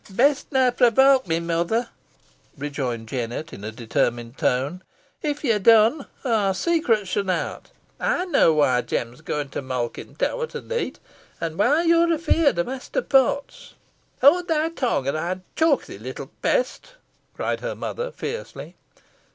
"Best nah provoke me, mother," rejoined Jennet in a determined tone; "if ye dun, aw secrets shan out. Ey knoa why Jem's goin' to Malkin Tower to neet an why yo're afeerd o' Mester Potts." "Howd thy tongue or ey'n choke thee, little pest," cried her mother, fiercely.